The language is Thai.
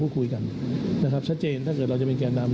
คุยกันนะครับชัดเจนถ้าเกิดเราจะเป็นแก่นำ